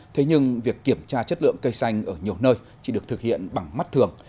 thế nhưng việc kiểm tra chất lượng cây xanh ở nhiều nơi chỉ được thực hiện bằng mắt thường